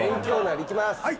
いきまーす。